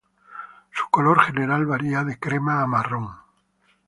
Su color general varía de crema a marrón.